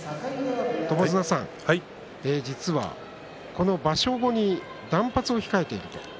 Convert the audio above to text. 友綱さん、実はこの場所後に断髪を控えていると。